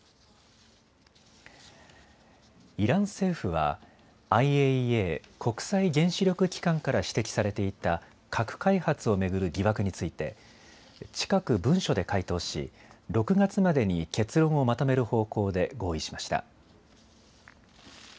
イラン政府はＩＡＥＡ・国際原子力機関から指摘されていた核開発を巡る疑惑について近く文書で回答し６月までに結論をまとめる方向で合意しました。